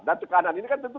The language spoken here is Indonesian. dan tekanan ini kan tentu